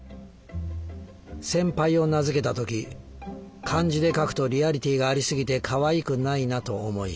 センパイを名付けた時漢字で書くとリアリティがありすぎてかわいくないなと思い